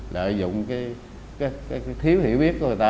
lợi dụng cái thiếu hiểu biết của người ta